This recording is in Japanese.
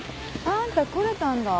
あんた来れたんだ。